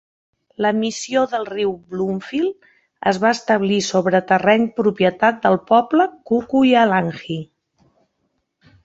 La missió del riu Bloomfield es va establir sobre terreny propietat del poble Kuku-Yalanji.